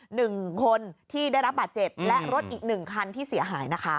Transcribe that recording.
หนึ่งคนที่ได้รับบาดเจ็บและรถอีกหนึ่งคันที่เสียหายนะคะ